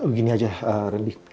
begini aja rendy